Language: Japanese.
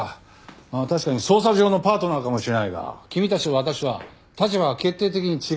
まあ確かに捜査上のパートナーかもしれないが君たちと私は立場が決定的に違うんだよ。